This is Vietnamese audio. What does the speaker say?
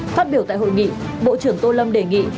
phát biểu tại hội nghị bộ trưởng tô lâm đề nghị